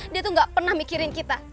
dia tuh gak pernah mikirin kita